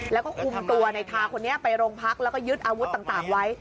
แล้วก็คุมตัวในทาคนนี้ไปโรงพักแล้วก็ยึดอาวุธต่างไว้